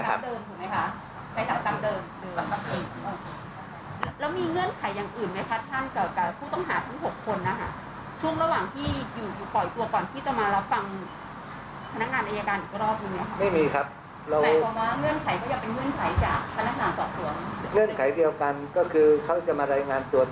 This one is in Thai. ใช้หลักทรัพย์ตามเดิมถือหลักทรัพย์สำนักงานเอง